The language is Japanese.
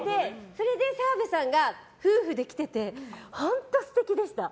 それで澤部さんが夫婦で来ていて本当、素敵でした。